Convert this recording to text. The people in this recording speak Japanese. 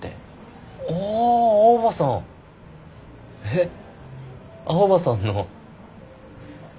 えっ青羽さんの。